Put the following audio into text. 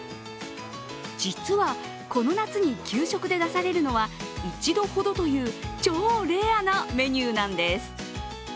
実は、この夏に給食で出されるのは１度ほどという超レアなメニューなんです。